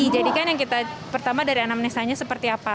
jadi kan yang kita pertama dari anamnesanya seperti apa